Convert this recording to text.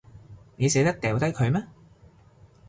你捨得掉低佢咩？